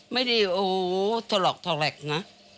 ไม่ได้โอ้โฮถลอกถลักนะ